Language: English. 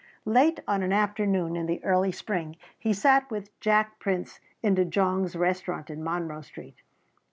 Late on an afternoon in the early spring he sat with Jack Prince in DeJonge's restaurant in Monroe Street.